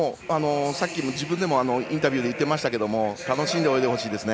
自分でもインタビューで言っていましたが楽しんで泳いでほしいですね。